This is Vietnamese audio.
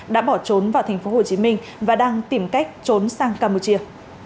đã bỏ trốn vào tp hcm và đang tìm cách trốn sang campuchia